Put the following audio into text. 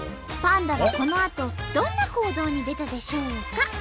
パンダはこのあとどんな行動に出たでしょうか？